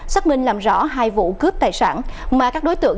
xác minh làm rõ hai vụ cướp tài sản